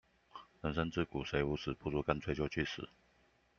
人生自古誰無死，不如乾脆就去死